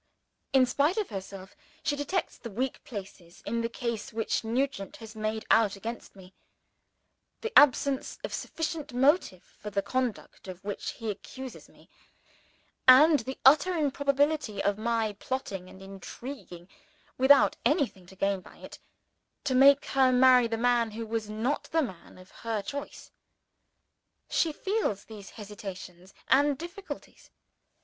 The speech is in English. In spite of herself, she detects the weak places in the case which Nugent has made out against me the absence of sufficient motive for the conduct of which he accuses me, and the utter improbability of my plotting and intriguing (without anything to gain by it) to make her marry the man who was not the man of her choice. She feels these hesitations and difficulties.